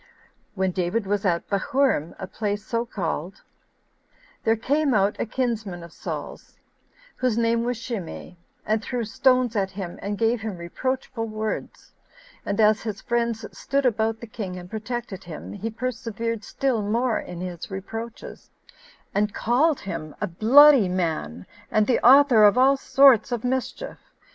4. When David was at Bahurim, a place so called, there came out a kinsman of Saul's, whose name was Shimei, and threw stones at him, and gave him reproachful words; and as his friends stood about the king and protected him, he persevered still more in his reproaches, and called him a bloody man, and the author of all sorts of mischief.